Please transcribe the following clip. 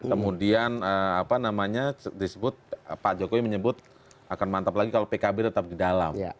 kemudian apa namanya disebut pak jokowi menyebut akan mantap lagi kalau pkb tetap di dalam